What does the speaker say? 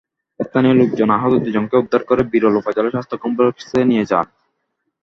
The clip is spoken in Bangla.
স্থানীয় লোকজন আহত দুজনকে উদ্ধার করে বিরল উপজেলা স্বাস্থ্য কমপ্লেক্সে নিয়ে যায়।